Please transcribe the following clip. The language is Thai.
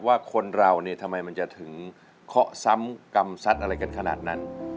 ว่าคนเราเนี่ยทำไมมันจะถึงเคาะซ้ำกรรมซัดอะไรกันขนาดนั้น